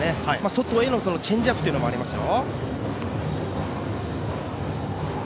外へのチェンジアップもありますよ。